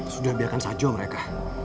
sudah biarkan saja mereka